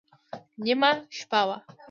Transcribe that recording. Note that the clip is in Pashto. نیمه شپه وه.